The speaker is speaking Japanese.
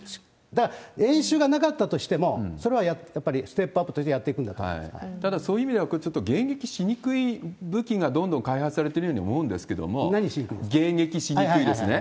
だから、演習がなかったとしても、それはやっぱりステップアップとして当然やっていくんだと思いまただ、そういう意味では、これ、ちょっと迎撃しにくい武器がどんどん開発されてるように思うんですけれども、迎撃しにくいですね。